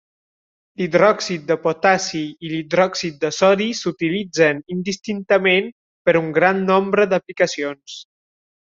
L'hidròxid de potassi i l'hidròxid de sodi s'utilitzen indistintament per un gran nombre d'aplicacions.